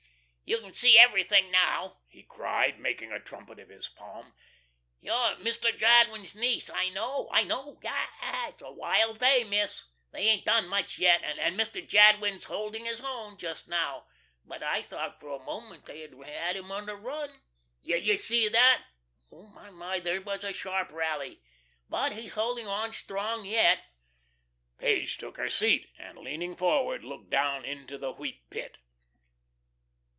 "You can see everything, now," he cried, making a trumpet of his palm. "You're Mister Jadwin's niece. I know, I know. Ah, it's a wild day, Miss. They ain't done much yet, and Mr. Jadwin's holding his own, just now. But I thought for a moment they had him on the run. You see that my, my, there was a sharp rally. But he's holding on strong yet." Page took her seat, and leaning forward looked down into the Wheat Pit.